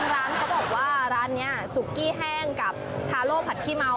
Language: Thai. ร้านเขาบอกว่าร้านนี้สุกี้แห้งกับทาโล่ผัดขี้เมา